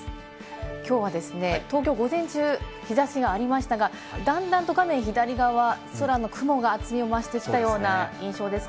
今日は東京、午前中、日差しがありましたが、だんだんと画面左側、空の雲が厚みを増してきたような印象です。